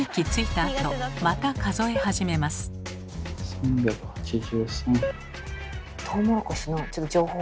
３８３。